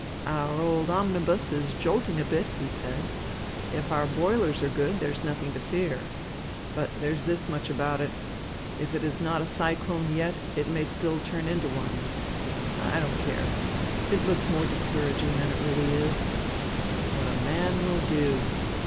"Our old omnibus is jolting a bit," he said. "If our boilers are good, there is nothing to fear. But there's this much about it. If it is not a cyclone yet, it may still turn into one. I don't care. It looks more discouraging than it really is. What a man will do!